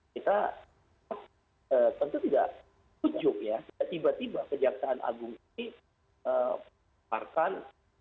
kita tentu tidak menunjuk ya tiba tiba kejaksaan agung ini memarkan